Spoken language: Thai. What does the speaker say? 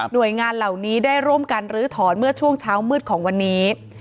โดยงานเหล่านี้ได้ร่วมกันลื้อถอนเมื่อช่วงเช้ามืดของวันนี้